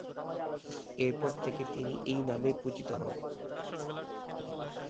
এরপর থেকে তিনি এই নামেই পরিচিত হন।